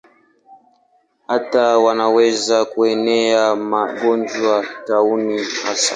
Hata wanaweza kuenea magonjwa, tauni hasa.